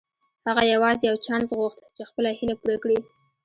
هغه يوازې يو چانس غوښت چې خپله هيله پوره کړي.